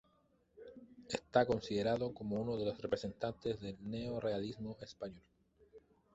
Está considerado como uno de los representantes del neorrealismo español.